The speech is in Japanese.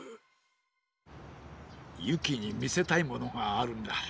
ゆきにみせたいものがあるんだ。